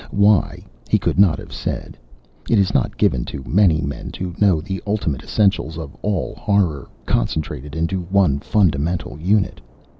Why, he could not have said. It is not given to many men to know the ultimate essentials of all horror, concentrated into one fundamental unit.